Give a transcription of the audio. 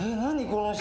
この人。